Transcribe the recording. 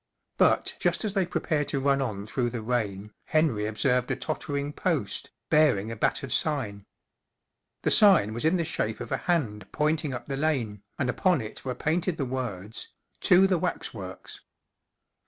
But just as they prepared to run on through the rain p Henry ob¬ served a tottering post, bearing a battered sign* The sign was in the shape of a hand pointing up the lane p and upon it were painted the words : f# To the Waxworks."